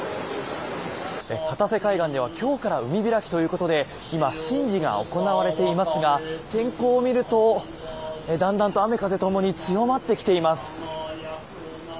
片瀬海岸では今日から海開きということで今、神事が行われていますが天候を見るとだんだんと雨風ともに強まってきています。